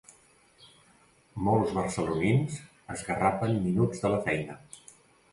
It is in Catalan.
Molts barcelonins esgarrapen minuts de la feina.